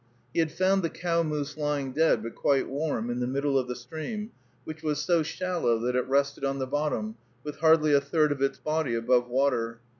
He had found the cow moose lying dead, but quite warm, in the middle of the stream, which was so shallow that it rested on the bottom, with hardly a third of its body above water.